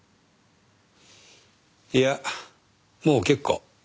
いやもう結構。